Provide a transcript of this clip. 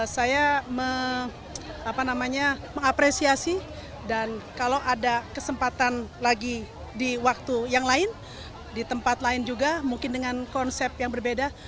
saya mengapresiasi dan kalau ada kesempatan lagi di waktu yang lain di tempat lain juga mungkin dengan konsep yang berbeda